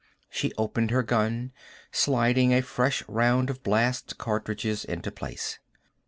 She opened her gun, sliding a fresh round of blast cartridges into place.